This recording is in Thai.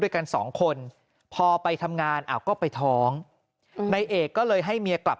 ด้วยกัน๒คนพอไปทำงานก็ไปท้องในเอกก็เลยให้เมียกลับ